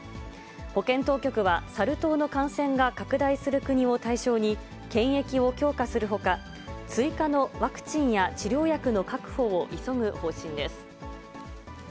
保健当局は、サル痘の感染が拡大する国を対象に、検疫を強化するほか、追加のワクチンや治療薬の確保を急ぐ方針です。